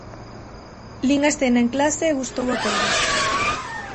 Lin a escena en clase e gustou a todos.